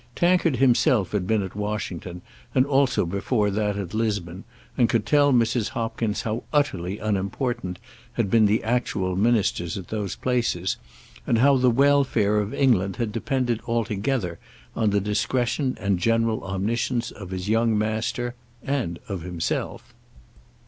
Tankard had himself been at Washington, and also before that at Lisbon, and could tell Mrs. Hopkins how utterly unimportant had been the actual ministers at those places, and how the welfare of England had depended altogether on the discretion and general omniscience of his young master, and of himself.